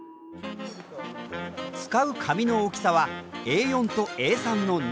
使う紙の大きさはＡ４とＡ３の２種類。